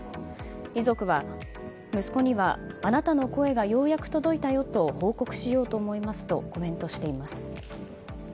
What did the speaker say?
遺族は、息子にはあなたの声がようやく届いたよと報告しようと思いますとコメントしています。